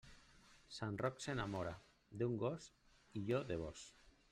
Sant Roc s'enamorà d'un gos i jo de vós.